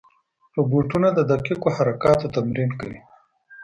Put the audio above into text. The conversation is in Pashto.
روبوټونه د دقیقو حرکاتو تمرین کوي.